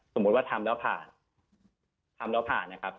สมมุติว่าทำแล้วผ่านทำแล้วผ่านนะครับ